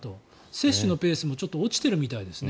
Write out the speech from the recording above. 接種のペースもちょっと落ちているみたいですね。